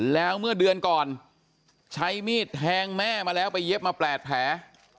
แล้วเมื่อเดือนก่อนใช้มีดแทงแม่มาแล้วไปเย็บมา๘แผล